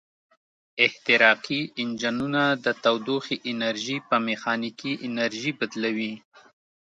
احتراقي انجنونه د تودوخې انرژي په میخانیکي انرژي بدلوي.